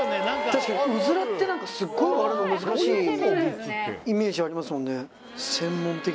確かにうずらってスゴい割るの難しいイメージありますもんね